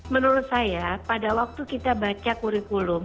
menurut saya pada waktu kita baca kurikulum